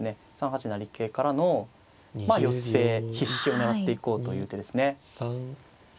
３八成桂からのまあ寄せ必至を狙っていこうという手ですね。